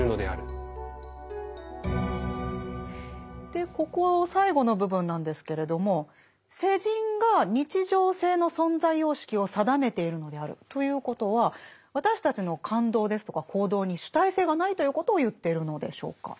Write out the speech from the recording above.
でここ最後の部分なんですけれども「世人が日常性の存在様式を定めているのである」ということは私たちの感動ですとか行動に主体性がないということを言っているのでしょうか？